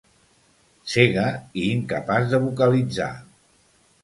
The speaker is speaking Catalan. Cega i incapaç de vocalitzar.